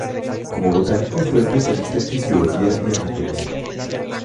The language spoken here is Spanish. Como botánico fue especialista en fisiología y anatomía.